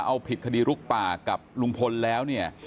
เอาผิดคดีรุกป่ากับลุงพลแล้ว